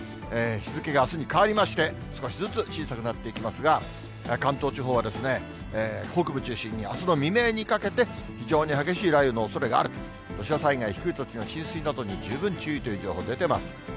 日付があすに変わりまして、少しずつ小さくなっていきますが、関東地方はですね、北部を中心にあすの未明にかけて、非常に激しい雷雨のおそれがあると、土砂災害、低い土地の浸水などに十分注意という情報出てます。